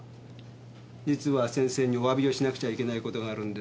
実は先生にお詫びをしなくちゃいけないことがあるんです。